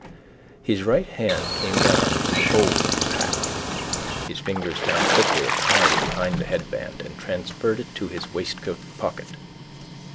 His right hand came down into the bowl of his hat. His fingers found quickly a card behind the headband and transferred it to his waistcoat pocket.